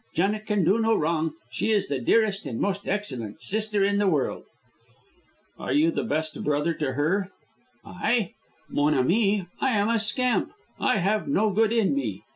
Janet can do no wrong. She is the dearest and most excellent sister in the world." "Are you the best brother to her?" "I? Mon, ami, I am a scamp. I have no good in me.